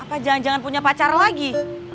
apakah jangan jangan punya pacar lagi